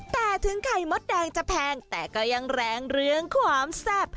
แต่ถึงไข่มดแดงจะแพงแต่ก็ยังแรงเรื่องความแซ่บ